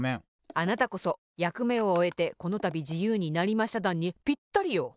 あなたこそ「やくめをおえてこのたびじゆうになりましただん」にぴったりよ。